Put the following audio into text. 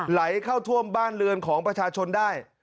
ไหลเข้าท่วมบ้านเรือนของประชาชนได้